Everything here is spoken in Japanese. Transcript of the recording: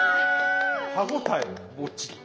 歯応えもっちり。